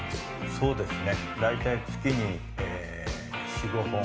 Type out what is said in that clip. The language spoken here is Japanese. そうですね。